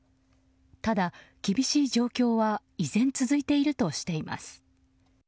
ただ、厳しい状況は依然続いているとしています。